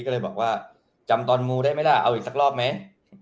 ก็เลยบอกว่าจำตอนมูได้ไหมล่ะเอาอีกสักรอบไหม